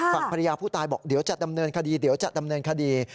ฝั่งภรรยาผู้ตายบอกเดี๋ยวจะดำเนินคดี